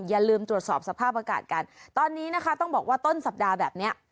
อย่าลืมตรวจสอบสภาพอากาศกันตอนนี้นะคะต้องบอกว่าต้นสัปดาห์แบบนี้